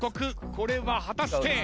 これは果たして？